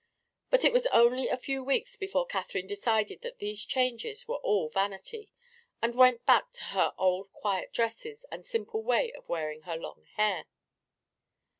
But it was only a few weeks before Catherine decided that these changes were all vanity, and went back to her old quiet dresses and simple way of wearing her long hair.